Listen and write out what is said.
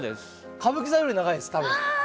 歌舞伎座より長いです多分花道。